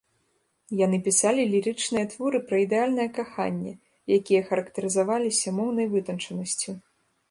Яны пісалі лірычныя творы пра ідэальнае каханне, якія характарызаваліся моўнай вытанчанасцю.